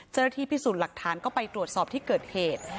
เจ้าหน้าที่พิสูจน์หลักฐานก็ไปตรวจสอบที่เกิดเหตุ